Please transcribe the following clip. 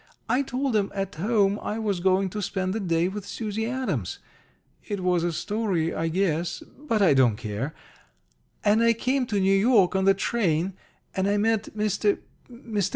I told 'em at home I was going to spend the day with Susie Adams. It was a story, I guess, but I don't care. And I came to New York on the train, and I met Mr. Mr.